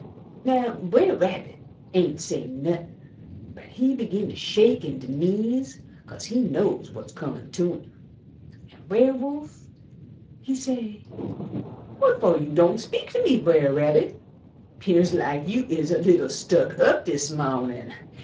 "Now Brer Rabbit ain't say nothin', but he begin to shake in de knees, kase he know wot's comin' to 'im. An' Brer Wolf he say, 'Wot for you don' speak to me. Brer Rabbit? 'Pears like you is a little stuck up dis mawnin'!'